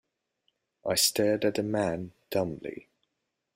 I stared at the man dumbly.